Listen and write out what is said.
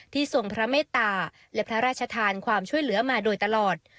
ทรงพระเมตตาและพระราชทานความช่วยเหลือมาโดยตลอด